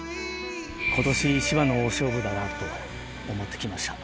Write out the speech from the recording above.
ことし一番の大勝負だなと思って来ました。